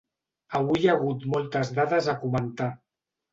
Avui hi ha hagut moltes dades a comentar.